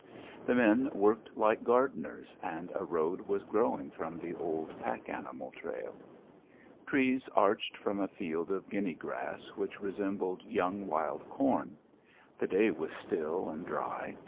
The men worked like gardeners, and a road was growing from the old pack animal trail. Trees arched from a field of guinea grass which resembled young wild corn. The day was still and dry.